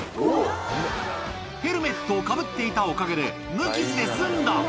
ヘルメットをかぶっていたおかげで無傷で済んだ。